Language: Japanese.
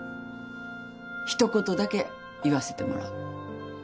一言だけ言わせてもらう。